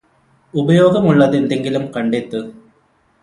ഉപയോഗമുള്ളത് എന്തെങ്കിലും കണ്ടെത്ത്